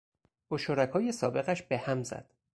با شرکای سابقش به هم زد.